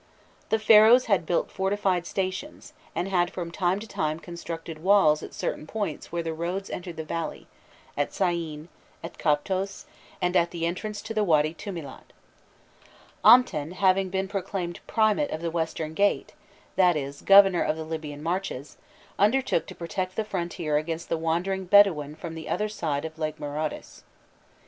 The Pharaohs had built fortified stations, and had from time to time constructed walls at certain points where the roads entered the valley at Syene, at Coptos, and at the entrance to the Wady Tûmilât. Amten having been proclaimed "Primate of the Western Gate," that is, governor of the Libyan marches, undertook to protect the frontier against the wandering Bedouin from the other side of Lake Mareotis.